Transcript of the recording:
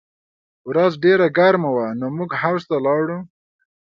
ورځ ډېره ګرمه وه نو موږ حوض ته لاړو